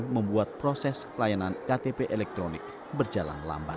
membuat proses pelayanan ktp elektronik berjalan lambat